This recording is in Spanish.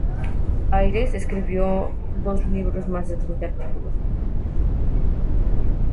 Ayres escribió dos libros y más de treinta artículos.